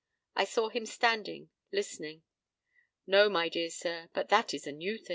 I saw him standing, listening. "No, my dear sir, but that is a new thing."